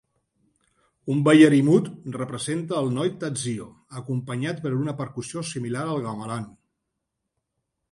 Un ballarí mut representa al noi Tadzio, acompanyat per una percussió similar al gamelan.